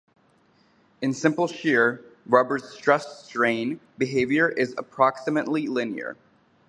In simple shear, rubber's stress-strain behavior is approximately linear.